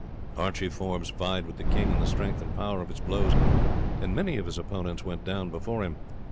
Archie Forbes vied with the king in the strength and power of his blows, and many of his opponents went down before him.